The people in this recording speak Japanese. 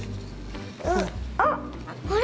あっあれ？